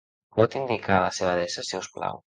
Pot indicar la seva adreça, si us plau?